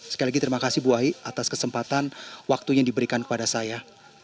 sekali lagi terima kasih bu wai atas kesempatan waktunya diberikan kepada saya